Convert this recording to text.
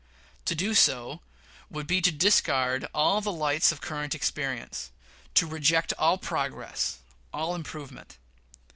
To do so would be to discard all the lights of current experience to reject all progress, all improvement.